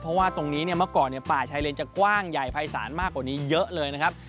เพราะว่าตรงนี้เนี่ยเมื่อก่อนป่าชายเลนจะกว้างใหญ่ภายศาลมากกว่านี้เยอะเลยนะครับ